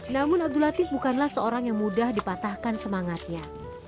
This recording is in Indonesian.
namun abdul latif bukanlah seorang yang mudah dipatahkan semangatnya